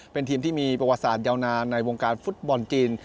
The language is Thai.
เป็นทีมที่มีประวัติศาสตยาวนานในวงการฟุตบอลจีน